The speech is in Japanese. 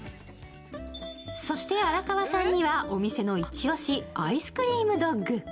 そして荒川さんには、お店の一押し、アイスクリームドッグ。